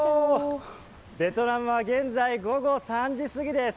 ベトナムは現在午後３時すぎです。